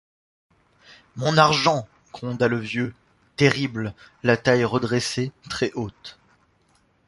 Mon argent! gronda le vieux, terrible, la taille redressée, très haute.